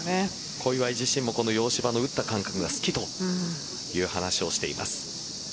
小祝自身もこの洋芝の打った感覚が好きという話をしています。